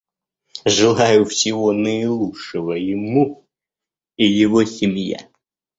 Желаю всего наилучшего ему и его семье.